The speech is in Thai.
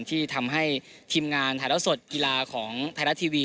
ที่ทำให้ทีมงานถ่ายแล้วสดกีฬาของไทยรัฐทีวี